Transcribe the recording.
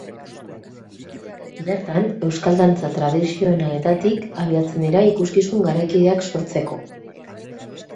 Bertan, euskal dantza tradizionaletik abiatzen dira ikuskizun garaikideak sortzeko.